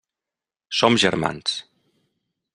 Som germans.